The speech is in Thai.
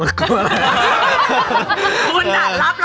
เรากลัวอะไร